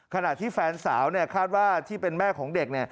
ขณะที่แฟนสาวคาดว่าที่เป็นแม่ของเด็ก